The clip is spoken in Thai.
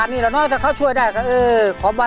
เพลงนี้อยู่ในอาราบัมชุดแรกของคุณแจ็คเลยนะครับ